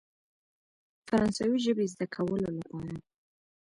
فرانسوي ژبې زده کولو لپاره.